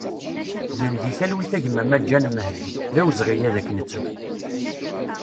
Gen di talwit a gma Maǧan Mehdi, d awezɣi ad k-nettu!